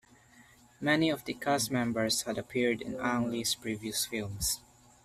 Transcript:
Many of the cast members had appeared in Ang Lee's previous films.